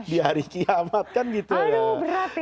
di hari kiamat kan gitu ya